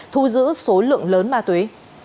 thu giữ số lượng lớn ma túy